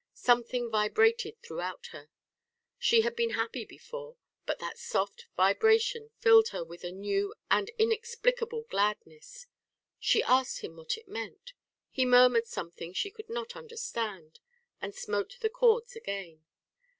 Something vibrated throughout her. She had been happy before, but that soft vibration filled her with a new and inexplicable gladness. She asked him what it meant. He murmured something she could not understand, and smote the chords again.